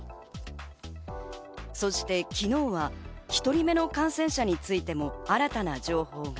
そして昨日は１人目の感染者についても新たな情報が。